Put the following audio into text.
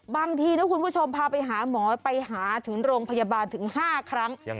บางทีนะคุณผู้ชมพาไปหาหมอไปหาถึงโรงพยาบาลถึง๕ครั้ง